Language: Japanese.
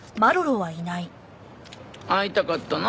会いたかったな。